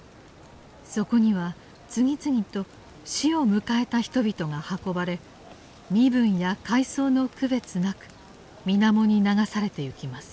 そこには次々と死を迎えた人々が運ばれ身分や階層の区別なく水面に流されてゆきます。